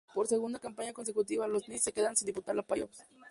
Por segunda campaña consecutiva, los Nets se quedaban sin disputar los playoffs.